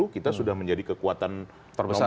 dua ribu tiga puluh kita sudah menjadi kekuatan terbesar